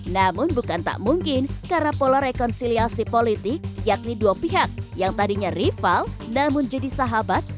namun bukan tak mungkin karena pola rekonsiliasi politik yakni dua pihak yang tadinya rival namun jadi sahabat